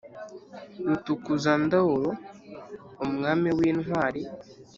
rutukuzandoro, umwami w’intwari